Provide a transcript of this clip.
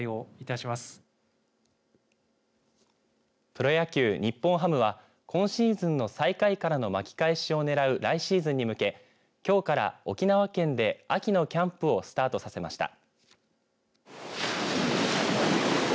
プロ野球、日本ハムは今シーズンの最下位からの巻き返しを狙う来シーズンに向けきょうから沖縄県で秋のキャンプをスタートさせました。